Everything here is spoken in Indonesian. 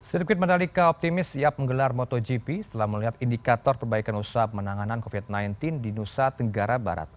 sirkuit mandalika optimis siap menggelar motogp setelah melihat indikator perbaikan usaha penanganan covid sembilan belas di nusa tenggara barat